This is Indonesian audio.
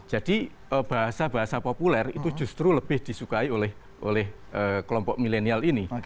jadi bahasa bahasa populer itu justru lebih disukai oleh kelompok milenial ini